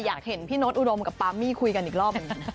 อยากเห็นพี่โน๊ตอุดมกับปามี่คุยกันอีกรอบหนึ่ง